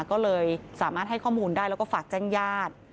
ก็เลยสามารถให้ข้อมูลได้แล้วก็ฝากแจ้งญาติ